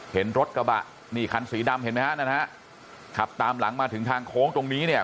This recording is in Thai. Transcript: เห็นรถกระบะนี่คันสีดำเห็นไหมฮะนะฮะขับตามหลังมาถึงทางโค้งตรงนี้เนี่ย